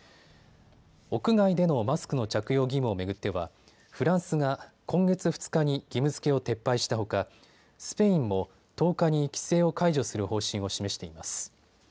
屋外でのマスクの着用義務を巡っては、フランスが今月２日に義務づけを撤廃したほかスペインも１０日に規制を解除する方針を示しています。